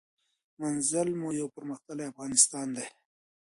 منزل مو یو پرمختللی افغانستان دی.